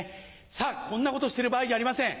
さぁこんなことしてる場合じゃありません。